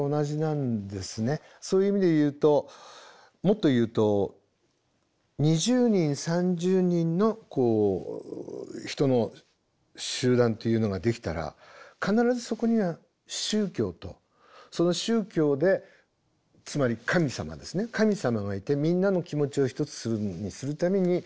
そういう意味で言うともっと言うと２０人３０人のこう人の集団というのができたら必ずそこには宗教とその宗教でつまり神様ですね神様がいてみんなの気持ちを一つにするためにそういう宗教的なものがいる。